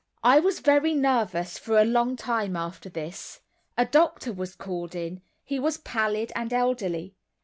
I was very nervous for a long time after this. A doctor was called in, he was pallid and elderly.